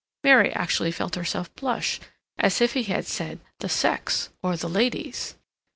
Mary actually felt herself blush, as if he had said "the sex" or "the ladies."